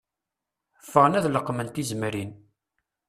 Ffɣen ad leqmen tizemrin.